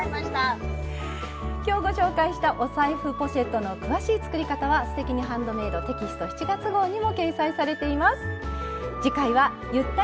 今日ご紹介したお財布ポシェットの詳しい作り方は「すてきにハンドメイド」テキスト７月号にも掲載されています。